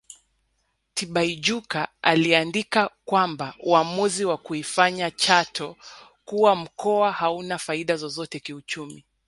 Tibaijuka aliandika kwamba uamuzi wa kuifanya Chato kuwa mkoa hauna faida zozote kiuchumi